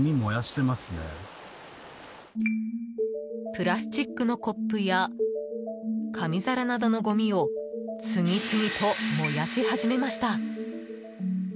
プラスチックのコップや紙皿などのごみを次々と燃やし始めました。